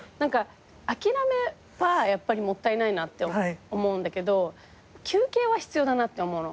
諦めはやっぱりもったいないなって思うんだけど休憩は必要だなって思うの。